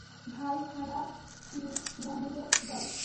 ভাই-হারা ফিওরনেরের জয়!